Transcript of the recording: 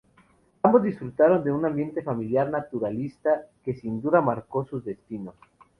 Ambos disfrutaron de un ambiente familiar naturalista que sin duda marcó sus destinos.